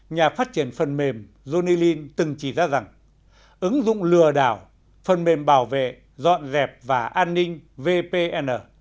nhà phát triển phần mềm jonilin từng chỉ ra rằng ứng dụng lừa đảo phần mềm bảo vệ dọn dẹp và an ninh vpn